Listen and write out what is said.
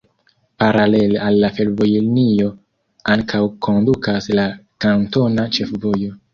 Paralele al la fervojlinio ankaŭ kondukas la kantona ĉefvojo.